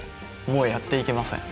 もうやっていけません